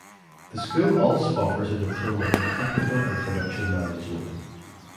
The School also offers a Diploma in Technical and Production Management.